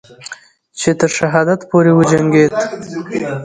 چې تر شهادت پورې وجنگید